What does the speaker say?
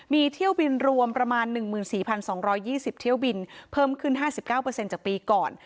มีเที่ยวบินรวมประมาณ๑๔๒๒๐เที่ยวบินเพิ่มขึ้น๕๙จากปีก่อน